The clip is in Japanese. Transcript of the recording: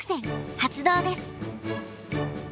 発動です。